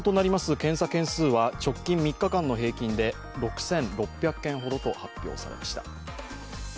検査件数は直近３日間の平均で６６００件ほどと発表されました。